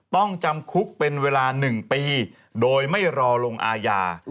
ต้องจำคุกเป็นเวลา๑ปีโดยไม่รอลงอาญา